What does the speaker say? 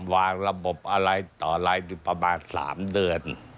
วางระบบอะไรต่ออะไรประมาณ๓เดือน